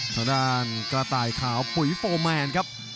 ทางด้านกระต่ายขาวปุ๋ยโฟร์แมนครับ